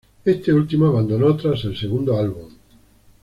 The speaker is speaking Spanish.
Este último abandonó tras el segundo álbum.